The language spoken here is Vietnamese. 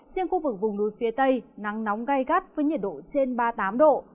riêng khu vực vùng núi phía tây nắng nóng gai gắt với nhiệt độ trên ba mươi tám độ